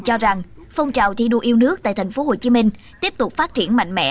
cho rằng phong trào thi đua yêu nước tại tp hcm tiếp tục phát triển mạnh mẽ